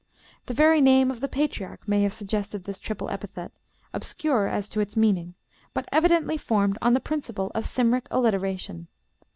The very name of the patriarch may have suggested this triple epithet, obscure as to its meaning, but evidently formed on the principle of Cymric alliteration.